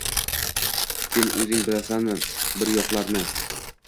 Sen o‘zing bilasanmi bir yoqlarni?”